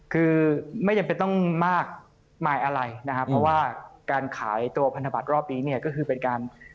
คือไม่จำเป็นต้องมากมายอะไรนะครับเพราะว่าการขายตัวพันธบัตรรอบนี้เนี่ยก็คือเป็นการ